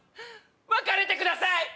別れてください！